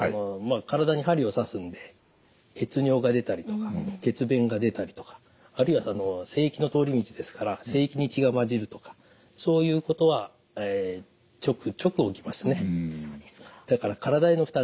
体に針を刺すんで血尿が出たりとか血便が出たりとかあるいは精液の通り道ですから精液に血が混じるとかそういうことはちょくちょく起きますね。